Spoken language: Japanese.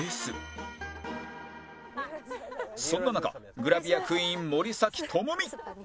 そんな中グラビアクイーン森咲智美